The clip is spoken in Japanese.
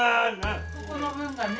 そこの分がね。